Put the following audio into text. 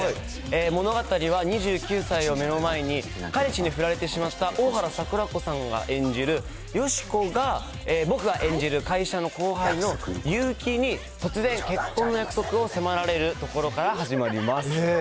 物語は２９歳を目の前に、彼氏に振られてしまった大原櫻子さんが演じる佳子が僕が演じる会社の後輩の結城に、突然、結婚の約束を迫られるところから始まります。